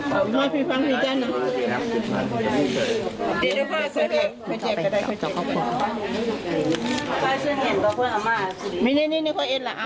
ตอนนี้ก็ไม่มีเวลาให้กลับมาเที่ยวกับเวลา